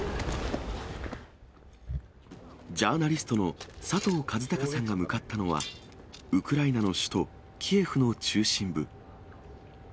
ジャーナリストの佐藤和孝さんが向かったのは、ウクライナの首都キエフの中心部。